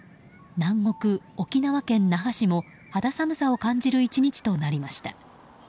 南国・沖縄県那覇市も肌寒さを感じる１日となりました。